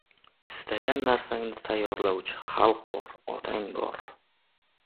Istagan narsangni tayyorlaguvchi xalq bor — otang bor.